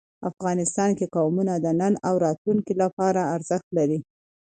افغانستان کې قومونه د نن او راتلونکي لپاره ارزښت لري.